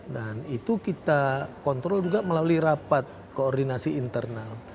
dan itu kita kontrol juga melalui rapat koordinasi internal